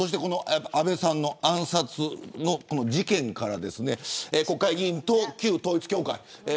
安倍さんの暗殺の事件から国会議員と旧統一教会。